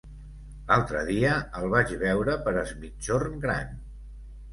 L'altre dia el vaig veure per Es Migjorn Gran.